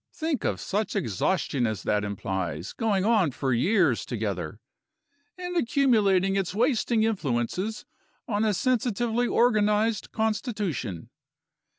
Think of such exhaustion as that implies going on for years together, and accumulating its wasting influences on a sensitively organized constitution.